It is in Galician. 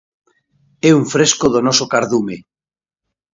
É un fresco do noso cardume.